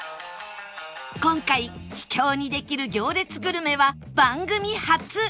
今回秘境にできる行列グルメは番組初！